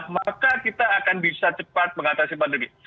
maka kita akan bisa cepat mengatasi pandemi